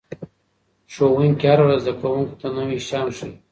ښوونکي هره ورځ زده کوونکو ته نوي شیان ښيي.